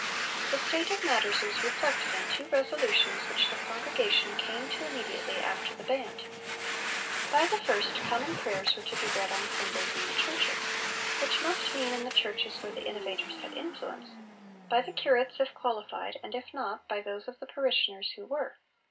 The state of matters was reflected in two resolutions which the Congregation came to immediately after the Band. By the first, common prayers were to be read on Sundays in the churches which must mean in the churches where the innovators had influence by the curates, 'if qualified,' and, if not, by those of the parishioners who were.